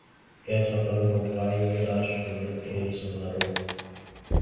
क्या सफल हो पाएंगे राष्ट्रमंडल खेल समारोह